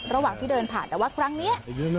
ระหว่างที่เดินผ่านแต่ว่าครั้งนี้